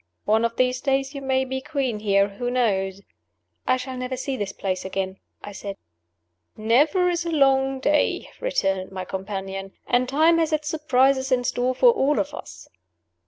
One of these days you may be queen here who knows?" "I shall never see this place again," I said. "Never is a long day," returned my companion. "And time has its surprises in store for all of us."